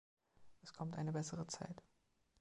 Es kommt eine bessere Zeit.